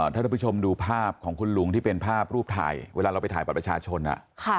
ท่านผู้ชมดูภาพของคุณลุงที่เป็นภาพรูปถ่ายเวลาเราไปถ่ายบัตรประชาชน